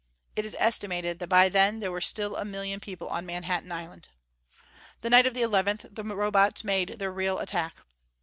It is estimated that by then there were still a million people on Manhattan Island. The night of the 11th, the Robots made their real attack.